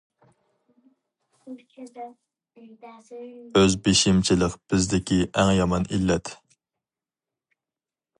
ئۆز بېشىمچىلىق بىزدىكى ئەڭ يامان ئىللەت.